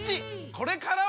これからは！